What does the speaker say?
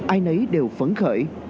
ai nấy đều phấn khởi